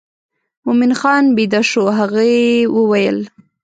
مومن خان بېده شو هغې وویل.